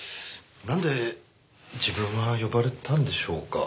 なんで自分は呼ばれたんでしょうか？